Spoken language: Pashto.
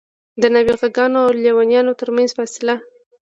د نابغه ګانو او لېونیانو ترمنځ فاصله.